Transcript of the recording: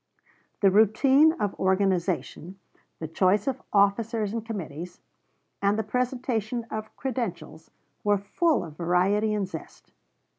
The routine of organization, the choice of officers and committees, and the presentation of credentials were full of variety and zest.